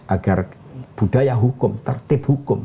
agar budaya hukum tertib hukum